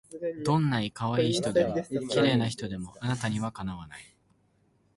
どんない可愛い人でも綺麗な人でもあなたには敵わない